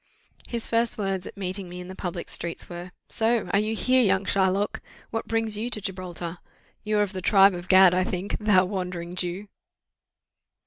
"His first words at meeting me in the public streets were, 'So! are you here, young Shylock? What brings you to Gibraltar? You are of the tribe of Gad, I think, _thou Wandering Jew!